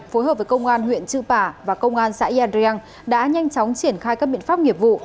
phối hợp với công an huyện chư pả và công an xã yà ring đã nhanh chóng triển khai các biện pháp nghiệp vụ